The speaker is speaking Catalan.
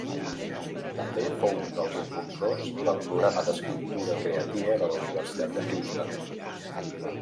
També fou un dels impulsors del Programa d'Escriptura Creativa de la Universitat de Houston.